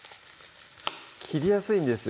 切りやすいんですよ